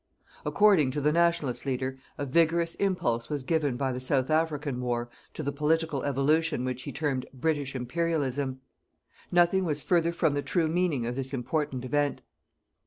According to the Nationalist leader, a vigorous impulse was given by the South African war to the political evolution which he termed British Imperialism. Nothing was further from the true meaning of this important event.